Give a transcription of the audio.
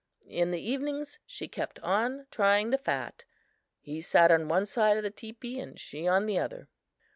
In the evenings she kept on trying the fat. He sat on one side of the teepee and she on the other.